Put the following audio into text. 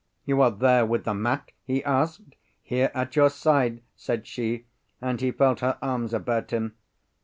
"You are there with the mat?" he asked. "Here, at your side;" said she. And he felt her arms about him.